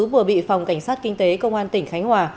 vừa bị phòng cảnh sát kinh tế công an tỉnh khánh hòa